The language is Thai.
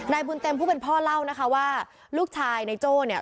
บุญเต็มผู้เป็นพ่อเล่านะคะว่าลูกชายในโจ้เนี่ย